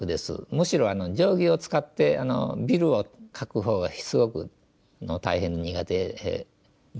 むしろ定規を使ってビルを描くほうがすごく大変苦手ですね。